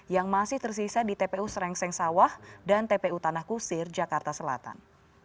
yang masih tersisa di tpu serengseng sawah dan tpu tanah kusir jakarta selatan